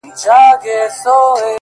o ځم د روح په هر رگ کي خندا کومه ـ